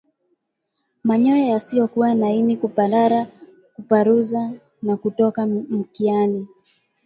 Manyoya yasiyokuwa laini kuparara kuparuza na kutoka mkiani